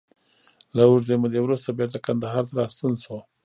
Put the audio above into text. له اوږدې مودې وروسته بېرته کندهار ته راستون شو.